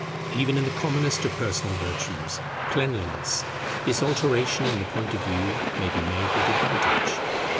Even in the commonest of personal virtues, cleanliness, this alteration in the point of view may be made with advantage.